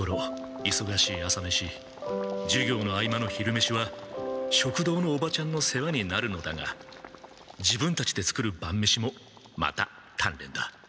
いそがしい朝飯授業の合間の昼飯は食堂のおばちゃんの世話になるのだが自分たちで作る晩飯もまた鍛錬だ。